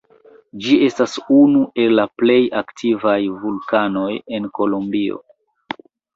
Ĝi estas unu el la plej aktivaj vulkanoj en Kolombio.